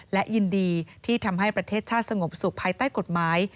และยินดีที่ทำให้ประเทศชาติสงบสุขภายใต้กฎหมาย